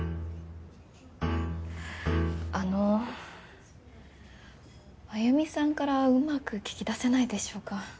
あの繭美さんから上手く聞き出せないでしょうか？